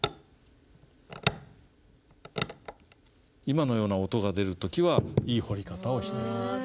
今のような音が出る時はいい彫り方をしている。